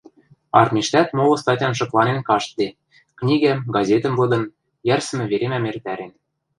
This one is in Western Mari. Армиштӓт молы статян шыкланен каштде, книгӓм, газетӹм лыдын, йӓрсӹмӹ веремӓм эртӓрен.